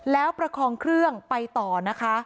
แล้วประคองเครื่องไปต่อนะคะ